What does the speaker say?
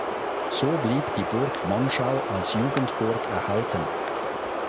So blieb die Burg Monschau als „Jugendburg“ erhalten.